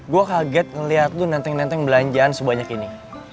gue kaget ngeliat lo nanteng nanteng belanjaan sebanyak ini